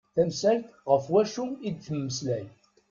Tamsalt ɣef wacu i d-temmeslay.